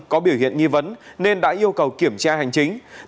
có biểu hiện nghi vấn nên đã yêu cầu kiểm tra hành chính